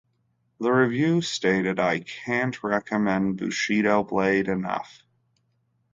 The review stated "I can't recommend "Bushido Blade" enough.